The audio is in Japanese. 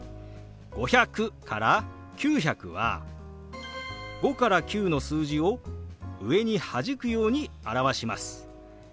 ５００から９００は５から９の数字を上にはじくように表します。